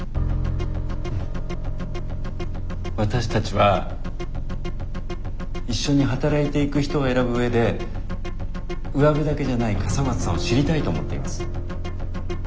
わたしたちは一緒に働いていく人を選ぶ上でうわべだけじゃない笠松さんを知りたいと思っています。